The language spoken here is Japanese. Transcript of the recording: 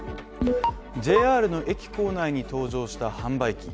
ＪＲの駅構内に登場した販売機。